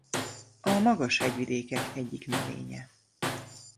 A magas hegyvidékek egyik növénye.